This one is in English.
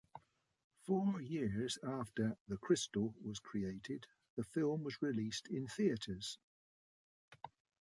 Four years after "The Crystal" was created, the film was released in theatres.